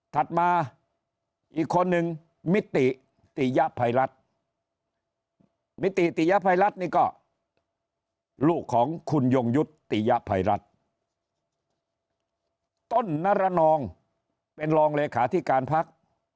ต้นนารนองเป็นลองมีคาที่การพัก